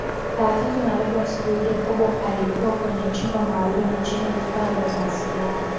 Saa tatu na robo asubuhi Jacob alikuwa kwenye chumba maalum chenye vifaa vya mawasilino